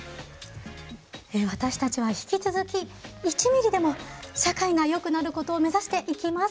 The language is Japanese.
私たちは引き続き１ミリでも社会がよくなることを目指していきます。